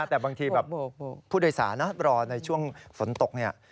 แต่บางทีแบบผู้โดยสารนะรอในช่วงฝนตกเนี่ย